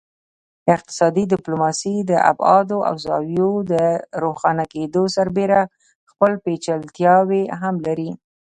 اقتصادي ډیپلوماسي د ابعادو او زاویو د روښانه کیدو سربیره خپل پیچلتیاوې هم لري